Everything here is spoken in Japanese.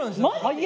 はい。